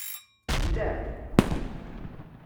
Llan?